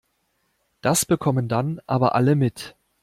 Das bekommen dann aber alle mit.